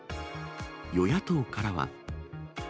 与野党からは。